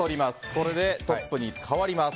これでトップに代わります。